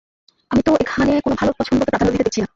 আমি তো এখানে কোনো ভালো পছন্দকে প্রাধান্য দিতে দেখছি না!